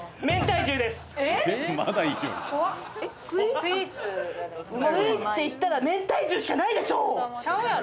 スイーツっていったらめんたい重しかないでしょう！